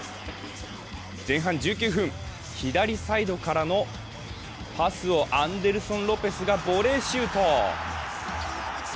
前半１９分、左サイドからのパスをアンデルソン・ロペスがボレーシュート。